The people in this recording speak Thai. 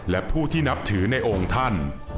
และผู้ที่นับถือในองค์ท่าน